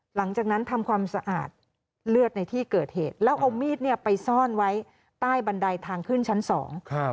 หลังจากนั้นทำความสะอาดเลือดในที่เกิดเหตุแล้วเอามีดเนี่ยไปซ่อนไว้ใต้บันไดทางขึ้นชั้นสอง